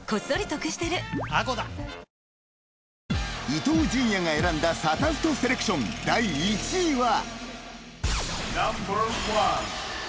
［伊東純也が選んだサタフトセレクション第１位は］